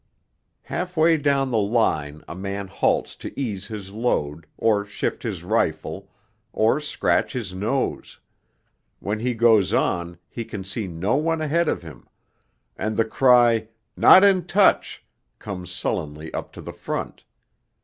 Half way down the line a man halts to ease his load, or shift his rifle, or scratch his nose; when he goes on he can see no one ahead of him, and the cry 'Not in touch' comes sullenly up to the front.